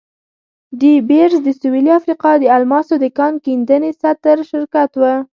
ډي بیرز د سوېلي افریقا د الماسو د کان کیندنې ستر شرکت وو.